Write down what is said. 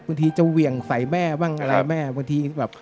บางทีจะเหวี่ยงใส่แม่บ้างอะไรแม่บางทีแบบ